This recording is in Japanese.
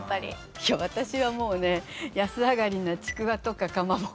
いや私はもうね安上がりなちくわとかかまぼことか。